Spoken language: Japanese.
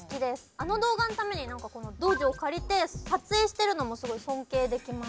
あの動画のために何か道場借りて撮影してるのもすごい尊敬できます。